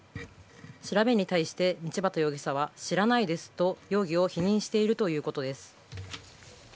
調べに対して、道端容疑者は知らないですと容疑を否認しているということです。